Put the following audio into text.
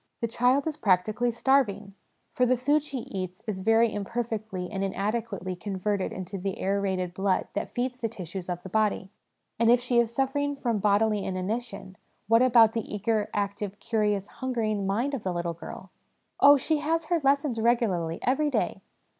The child is practically starving ; for the food she eats is very imperfectly and inadequately converted into the aerated blood that feeds the tissues of the body. And if she is suffering from bodily inanition, what about the eager, active, curious, hungering mind of the little girl ?( Oh, she has her lessons regularly every day.'